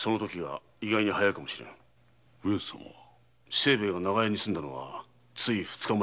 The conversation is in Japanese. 清兵衛が長屋に住んだのは二日前。